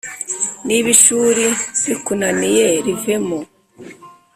Niba ishuri rikunaniye rivemo